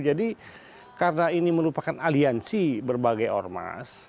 jadi karena ini merupakan aliansi berbagai ormas